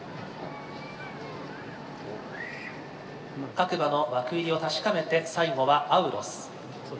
各馬の枠入りを確かめて最後はアウロス。